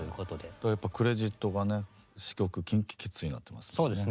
だからやっぱクレジットがね「詞・曲ＫｉｎＫｉＫｉｄｓ」になってますもんね。